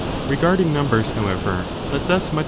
Regardinff numbers, however, let thus much